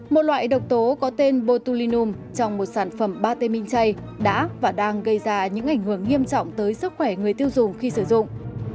một loại độc tố có tên botulinum trong một sản phẩm bate minh chay đã và đang gây ra những ảnh hưởng nghiêm trọng tới sức khỏe người tiêu dùng khi sử dụng